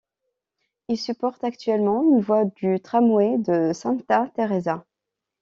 Il supporte actuellement une voie du tramway de Santa Teresa.